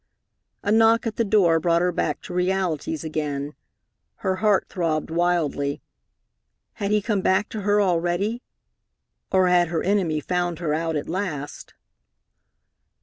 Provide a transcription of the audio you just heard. A knock at the door brought her back to realities again. Her heart throbbed wildly. Had he come back to her already? Or had her enemy found her out at last?